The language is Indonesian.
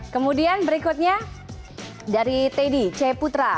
kemudian berikutnya dari teddy c putra